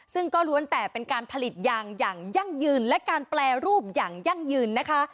ซึ่งก็ล้วนแต่เป็นการผลิตยางอย่างยั่งยืนและการแปรรูปอย่างยั่งยืนนะคะ